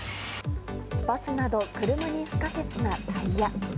バスなど車に不可欠なタイヤ。